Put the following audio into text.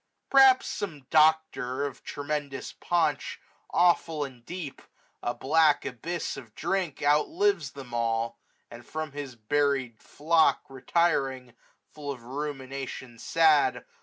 Perhaps some doctor, of tremendous paunch, 565 Awful and deep, a black abyss of drink. Out lives them all j and from his bury'd flock Retiring, full of rumination sad.